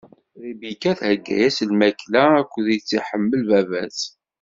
Ribika thegga-as lmakla akken i tt-iḥemmel baba-s.